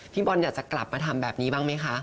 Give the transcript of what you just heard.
บอลอยากจะกลับมาทำแบบนี้บ้างไหมคะ